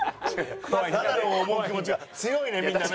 ナダルを思う気持ちが強いねみんなね。